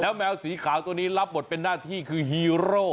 แมวสีขาวตัวนี้รับบทเป็นหน้าที่คือฮีโร่